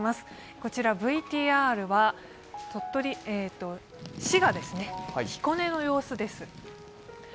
こちらＶＴＲは滋賀・彦根の様子です。